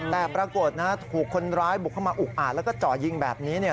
แต่ปรากฏถูกคนร้ายบุกเข้ามาอุกอาจแล้วก็เจาะยิงแบบนี้